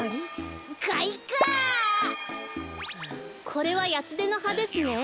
これはヤツデのはですね。